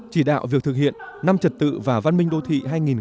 chỉ đạo việc thực hiện năm trật tự và văn minh đô thị hai nghìn một mươi sáu